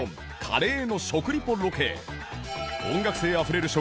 カレーの食リポロケ